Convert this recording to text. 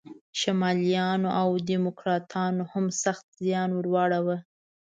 شمالیانو او دیموکراتانو هم سخت زیان ور واړاوه.